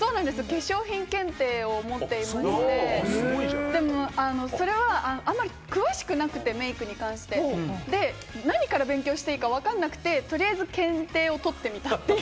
化粧品検定を持っていて、それはあんまり詳しくなくて、メイクに関して。何から勉強していいかわからなくて、取りあえず検定を取ってみたという。